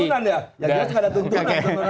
ya dia juga ada tontonan